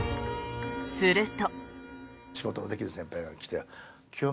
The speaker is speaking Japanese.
すると。